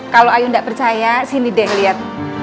kalau ayu gak percaya sini deh liat